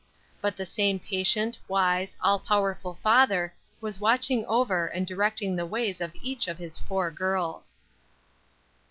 But the same patient, wise, all powerful Father was watching over and directing the ways of each of his four girls.